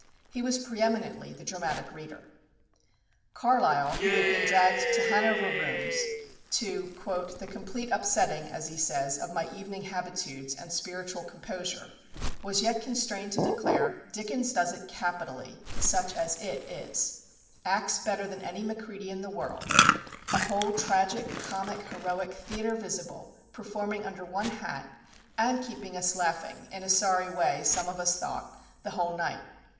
He was pre eminently the dramatic reader. Carlyle, who had been dragged to "Hanover Rooms," to "the complete upsetting," as he says, "of my evening habitudes, and spiritual composure," was yet constrained to declare: "Dickens does it capitally, such as it is; acts better than any Macready in the world; a whole tragic, comic, heroic, theatre visible, performing under one hat, and keeping us laughing in a sorry way, some of us thought the whole night.